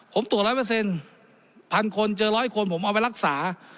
ผมตรวจร้อยเปอร์เซ็นต์พันคนเจอร้อยคนผมเอาไปรักษา